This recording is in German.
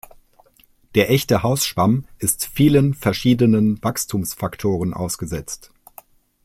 Der Echte Hausschwamm ist vielen verschiedenen Wachstumsfaktoren ausgesetzt.